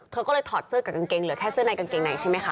เธอก็เลยถอดเสื้อกับกางเกงเหลือแค่เสื้อในกางเกงในใช่ไหมคะ